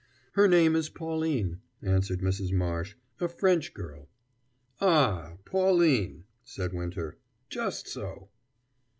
"Her name is Pauline," answered Mrs. Marsh "a French girl." "Ah, Pauline!" said Winter "just so."